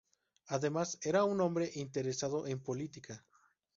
Además, era un hombre interesado en política.